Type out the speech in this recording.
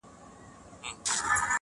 پټه خوله وځم له بې قدره بازاره,